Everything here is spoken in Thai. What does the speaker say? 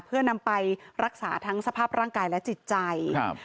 เพื่อนำไปรักษาทั้งสภาพร่างกายและจิตใจครับ